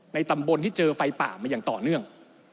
ตำบลที่เจอไฟป่ามาอย่างต่อเนื่อง